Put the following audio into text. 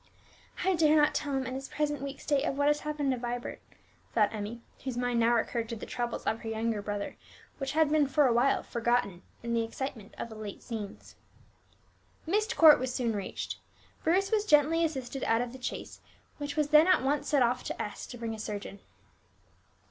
"I dare not tell him in his present weak state of what has happened to Vibert," thought Emmie, whose mind now recurred to the troubles of her younger brother, which had been for a while forgotten in the excitement of the late scenes. Myst Court was soon reached. Bruce was gently assisted out of the chaise, which was then at once sent off to S to bring a surgeon.